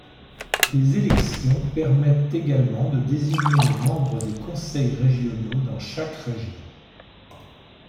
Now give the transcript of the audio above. Des élections permettent également de désigner les membres des conseils régionaux dans chaque régions.